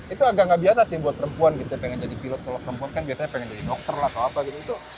itu agak nggak biasa sih buat perempuan gitu pengen jadi pilot kalau perempuan kan biasanya pengen jadi dokter lah atau apa gitu